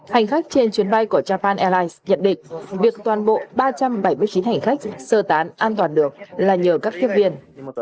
hành khách trên chuyến bay của japan airlines nhận định việc toàn bộ ba trăm bảy mươi chín hành khách sơ tán an toàn được là nhờ các tiếp viên